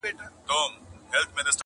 هر سړي به ویل ښه سو چي مردار سو!.